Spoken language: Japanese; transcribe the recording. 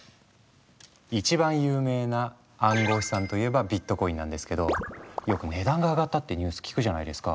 いちばん有名な暗号資産といえばビットコインなんですけどよく値段が上がったってニュース聞くじゃないですか。